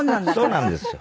そうなんですよ。